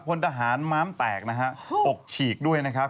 คนทหารม้ามแตกอกฉีกด้วยนะครับ